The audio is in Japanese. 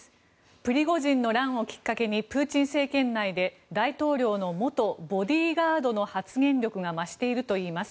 プリゴジンの乱をきっかけにプーチン政権内で大統領の元ボディーガードの発言力が増しているといいます。